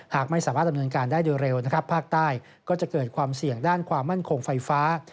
หากไม่สามารถดำเนินการได้โดยเร็วนะครับภาคใต้ก็จะเกิดความเสี่ยงด้านความมั่นคงไฟฟ้า